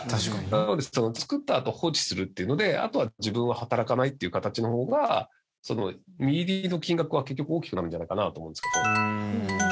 なので作ったあと放置するっていうのであとは自分は働かないっていう形の方が実入りの金額は結局大きくなるんじゃないかなと思うんですけど。